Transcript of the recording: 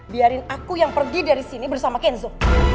biarin aku yang pergi dari sini bersama kenzo